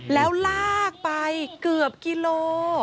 แล้วลากไปเกือบกิโล